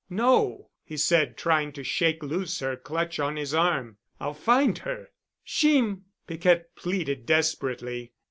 "No," he said, trying to shake loose her clutch on his arm. "I'll find her." "Jeem," Piquette pleaded desperately.